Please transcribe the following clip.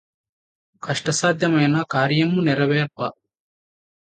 కష్టసాధ్యమైన కార్యమ్ము నెరవేర్ప